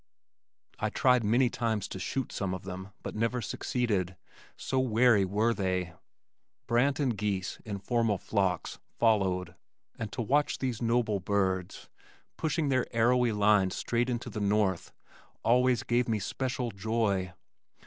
I tried many times to shoot some of them, but never succeeded, so wary were they. Brant and geese in formal flocks followed and to watch these noble birds pushing their arrowy lines straight into the north always gave me special joy.